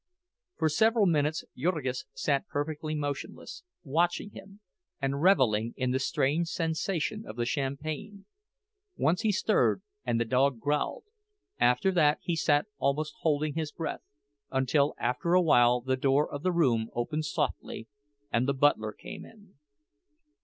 For several minutes Jurgis sat perfectly motionless, watching him, and reveling in the strange sensation of the champagne. Once he stirred, and the dog growled; after that he sat almost holding his breath—until after a while the door of the room opened softly, and the butler came in.